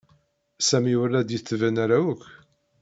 Sami ur la d-yettban ara akk.